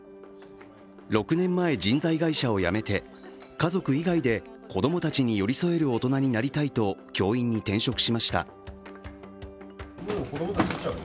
６年前、人材会社を辞めて、家族以外で子供たちに寄り添える大人になりたいと教員に転職しました。